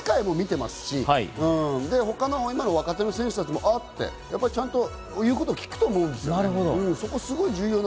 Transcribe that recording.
世界も見ていますし、今の若手の選手たちも、あっ！ってちゃんと言うことを聞くと思うんですね。